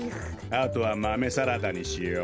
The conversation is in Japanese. あとはマメサラダにしよう。